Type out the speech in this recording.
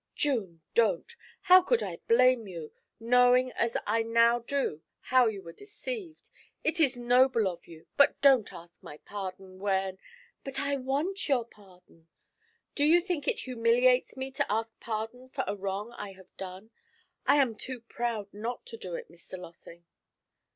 'June, don't! How could I blame you, knowing as I now do how you were deceived? It is noble of you, but don't ask my pardon when ' 'But I want your pardon! Do you think it humiliates me to ask pardon for a wrong I have done? I am too proud not to do it, Mr. Lossing.'